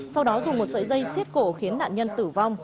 sau đó dùng một sợi dây xiết cổ khiến nạn nhân tử vong